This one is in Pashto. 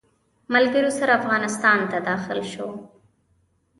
ملګرو سره افغانستان ته داخل شو.